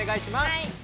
はい。